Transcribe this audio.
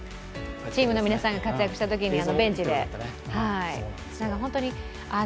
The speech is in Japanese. チームの皆さんが活躍したときにベンチで。